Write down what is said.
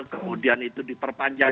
kemudian itu diperpanjang